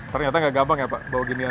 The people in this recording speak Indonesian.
ternyata nggak gampang ya pak bawa ginian